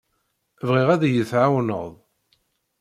Bɣiɣ ad iyi-tɛawneḍ.